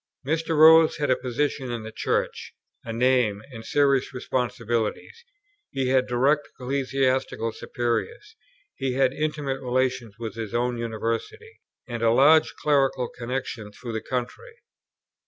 Mr. Rose had a position in the Church, a name, and serious responsibilities; he had direct ecclesiastical superiors; he had intimate relations with his own University, and a large clerical connexion through the country.